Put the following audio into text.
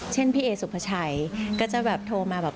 พี่เอสุภาชัยก็จะแบบโทรมาแบบ